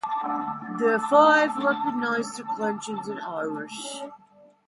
There are five recognized declensions in Irish.